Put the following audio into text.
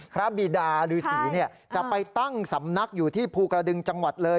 บีดาฤษีจะไปตั้งสำนักอยู่ที่ภูกระดึงจังหวัดเลย